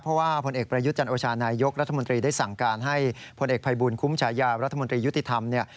เพราะว่าผลเอกประยุทธ์จันโอชานายกรัฐมนตรีได้สั่งการให้ผลเอกภัยบูลคุ้มฉายารัฐมนตรียุติธรรมเนี่ย